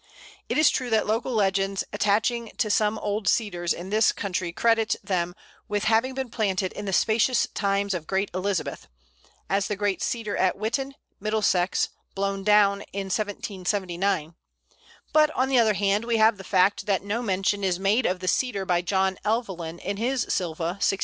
It is true that local legends attaching to some old Cedars in this country credit them with having been planted in "the spacious times of great Elizabeth" as the great Cedar at Whitton, Middlesex, blown down in 1779; but, on the other hand, we have the fact that no mention is made of the Cedar by John Evelyn in his "Sylva" (1664).